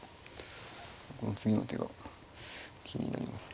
この次の手が気になりますね。